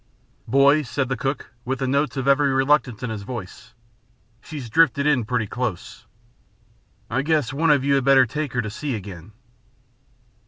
"Boys," said the cook, with the notes of every reluctance in his voice, "she's drifted in pretty close. I guess one of you had better take her to sea again."